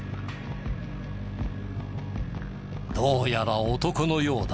どうやら男のようだ。